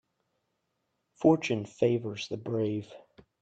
Fortune favours the brave.